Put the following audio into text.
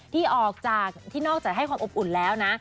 ที่ออกจากที่นอกจากให้ความอบอุ่นแล้วนะ